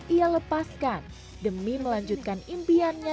ia lepaskan demi melanjutkan impiannya